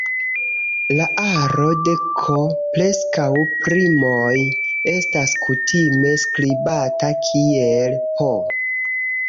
La aro de "k"-preskaŭ primoj estas kutime skribata kiel "P".